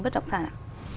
bất động sản ạ